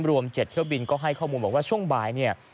รวม๗เที่ยวบินก็ให้ข้อมูลบอกว่าช่วงบ่ายเนี่ย